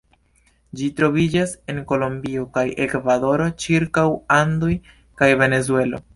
Ĝi troviĝas en Kolombio kaj Ekvadoro ĉirkaŭ Andoj kaj Venezuelo.